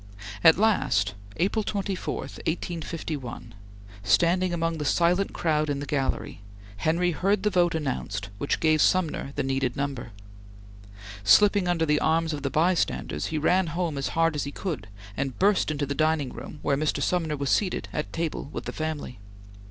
At last, April 24, 1851, standing among the silent crowd in the gallery, Henry heard the vote announced which gave Sumner the needed number. Slipping under the arms of the bystanders, he ran home as hard as he could, and burst into the dining room where Mr. Sumner was seated at table with the family.